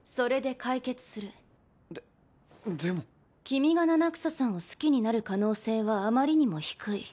君が七草さんを好きになる可能性はあまりにも低い。